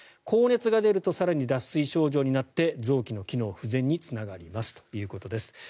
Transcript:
高熱になると更に脱水症状になって臓器の機能不全につながりますということです。